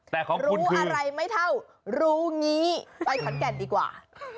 แต่รู้อะไรไม่เท่ารู้งี้ไปขอนแก่นดีกว่า